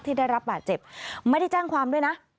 ได้รับบาดเจ็บไม่ได้แจ้งความด้วยนะ